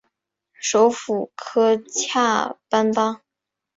首府科恰班巴。